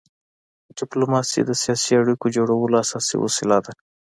ډيپلوماسي د سیاسي اړیکو جوړولو اساسي وسیله ده.